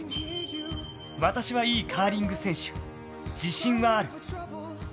「私はいいカーリング選手自信はある」